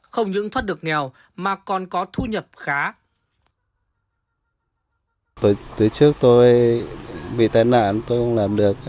không những thoát được nghèo mà còn có thu nhập khá